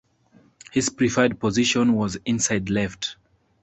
His preferred position was inside left.